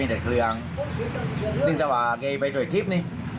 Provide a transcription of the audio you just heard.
เป็นเด็ดเครื่องจริงแต่ว่าเกย์ไปโดยทิศนี่